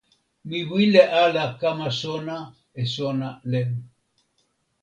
mi wile ala kama sona e sona len.